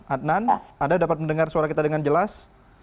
adnan anda dapat mendengar suara kita dengan jelas